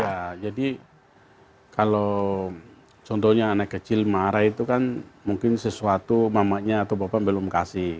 ya jadi kalau contohnya anak kecil marah itu kan mungkin sesuatu mamanya atau bapak belum kasih